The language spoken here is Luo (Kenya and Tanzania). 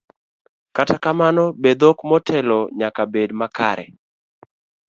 Kata kamano, be dhok motelo nyaka bed makare?